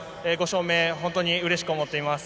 ５勝目、本当にうれしく思っています。